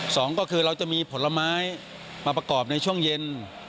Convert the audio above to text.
สองก็คือเราจะมีผลไม้มาประกอบในช่วงเย็น